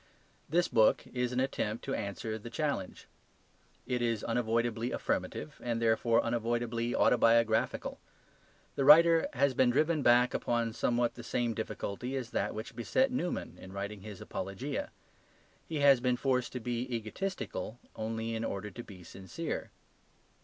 This book is an attempt to answer the challenge. It is unavoidably affirmative and therefore unavoidably autobiographical. The writer has been driven back upon somewhat the same difficulty as that which beset Newman in writing his Apologia; he has been forced to be egotistical only in order to be sincere.